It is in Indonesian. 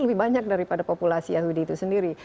lebih banyak daripada populasi yahudi itu sendiri